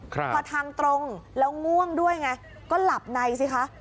พอทางตรงแล้วง่วงด้วยไงก็หลับในสิคะ